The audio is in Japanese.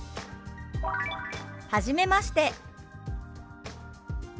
「はじめまして」。